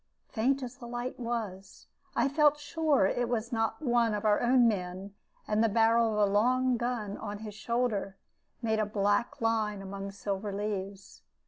Faint as the light was, I felt sure that it was not one of our own men, and the barrel of a long gun upon his shoulder made a black line among silver leaves.